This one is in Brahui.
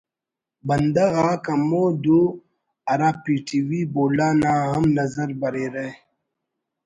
بندغ آک ہمو دو ہرا پی ٹی وی بولان آ ہم نظر بریرہ